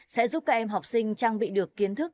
sẽ giúp các em học sinh trang bị được kiến thức